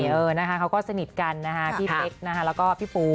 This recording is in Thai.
เออนะคะเขาก็สนิทกันนะคะพี่เป๊กนะคะแล้วก็พี่ปู